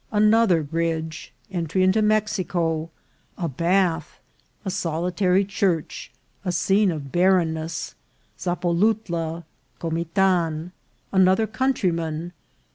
— Another Bridge. — Entry into Mexico.— A Bath. — A Solitary Church. —A Scene of Barrenness. — Zapolouta.— Comitan. — Another Countryman.